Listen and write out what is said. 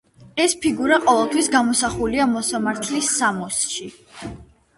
ეს ფიგურა ყოველთვის გამოსახულია მოსამართლის სამოსში.